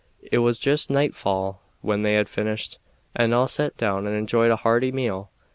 It was just nightfall when they had finished, and all sat down and enjoyed a hearty meal.